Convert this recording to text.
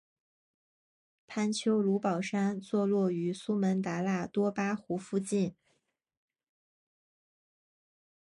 潘丘卢保山坐落于苏门答腊多巴湖附近。